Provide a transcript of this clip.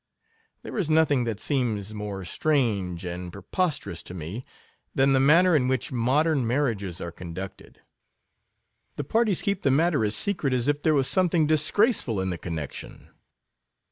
/ There is nothing that seems more strange and preposterous to me, than the manner in which modern marriages are conducted. The parties keep the matter as secret as if there was something disgraceful in the connexion.